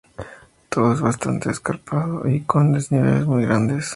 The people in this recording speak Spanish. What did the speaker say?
Todo es bastante escarpado y con desniveles muy grandes.